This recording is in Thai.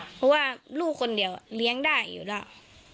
เพราะว่าลูกคนเดียวเลี้ยงได้อยู่แล้ว